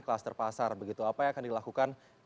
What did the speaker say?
kluster pasar begitu apa yang akan dilakukan